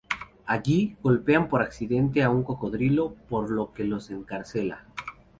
Allí, golpean por accidente a un cocodrilo, por lo que los encarcela.